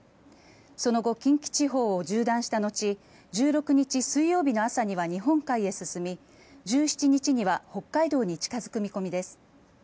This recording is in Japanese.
その後、近畿地方を縦断した後１６日水曜日の朝には日本海へ進み１７日には北海道に近付く見込みです。